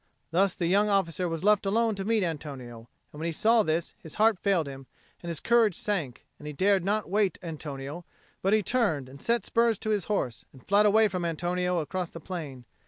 Thus the young officer was left alone to meet Antonio; and when he saw this his heart failed him and his courage sank, and he dared not await Antonio, but he turned and set spurs to his horse, and fled away from Antonio across the plain.